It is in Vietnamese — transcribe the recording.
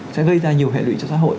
sẽ gây ra nhiều hệ lụy cho xã hội